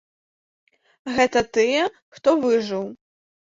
Гэта тыя, хто выжыў.